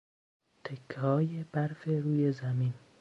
تکههای برف روی زمین